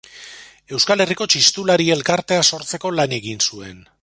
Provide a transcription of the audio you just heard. Euskal Herriko Txistulari Elkartea sortzeko lan egin zuen.